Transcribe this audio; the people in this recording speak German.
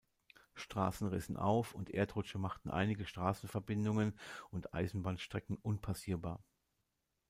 Straßen rissen auf und Erdrutsche machten einige Straßenverbindungen und Eisenbahnstrecken unpassierbar.